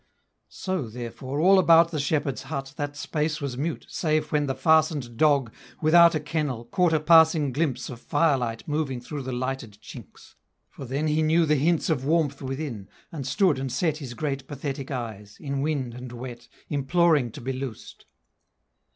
So, therefore, all about the shepherd's hut That space was mute, save when the fastened dog, Without a kennel, caught a passing glimpse Of firelight moving through the lighted chinks, For then he knew the hints of warmth within, And stood and set his great pathetic eyes, In wind and wet, imploring to be loosed.